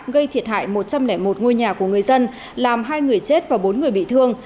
gây thiệt hại một trăm linh một ngôi nhà của người dân làm hai người chết và bốn người bị thương